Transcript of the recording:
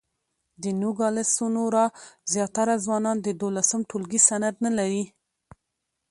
د نوګالس سونورا زیاتره ځوانان د دولسم ټولګي سند نه لري.